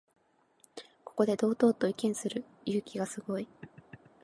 ここで堂々と意見する勇気がすごい